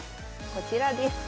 こちらです。